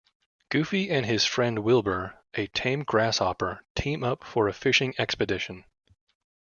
Goofy and his friend Wilbur, a tame grasshopper, team up for a fishing expedition.